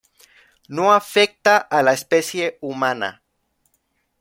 No afecta a la especie humana.